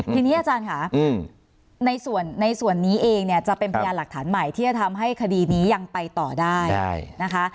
ทีนี้อาจารย์ค่ะในส่วนนี้เองเนี่ยจะเป็นพยานหลักฐานใหม่ที่จะทำให้คดีนี้ยังไปต่อได้นะคะ